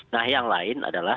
nah yang lain adalah